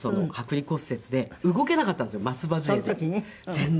全然。